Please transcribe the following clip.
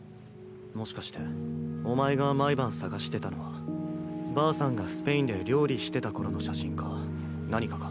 もしかしてお前が毎晩探してたのはばあさんがスペインで料理してた頃の写真か何かか？